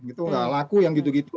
gak laku yang gitu gitu